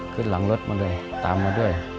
ขึ้นหลังรถมาเลยตามมาด้วย